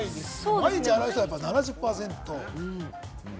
毎日洗う人は７０％。